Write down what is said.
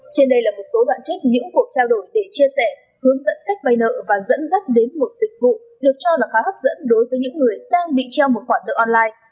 trên đây là một số đoạn trích những cuộc trao đổi để chia sẻ hướng dẫn cách vay nợ và dẫn dắt đến một dịch vụ được cho là khá hấp dẫn đối với những người đang bị treo một khoản nợ online